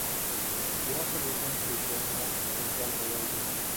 বিমর্ষ বিপিন-শ্রীশের মুখ উজ্জ্বল হইয়া উঠিল।